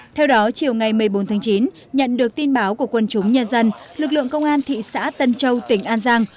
theo đó chiều ngày một mươi bốn tháng chín nhận được tin báo của quân chúng nhân dân lực lượng công an thị xã tân châu tỉnh an giang